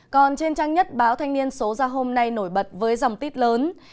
còn trên trang nhất báo thanh niên số ra hôm nay nổi bật với dòng tít lớn